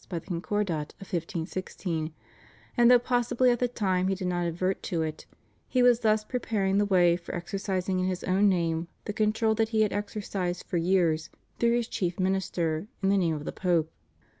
by the Concordat of 1516, and, though possibly at the time he did not advert to it, he was thus preparing the way for exercising in his own name the control that he had exercised for years through his chief minister in the name of the Pope.